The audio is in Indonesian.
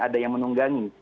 ada yang menunggangi